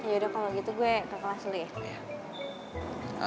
ya udah kalau gitu gue ke kelas dulu ya